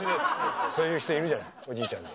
そういう人いるじゃないおじいちゃんで。